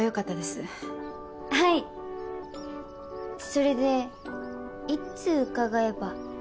それでいつ伺えば。